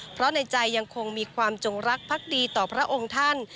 เพราะในใจยังคงมีความจงรักพักดีต่อพระองค์ท่าน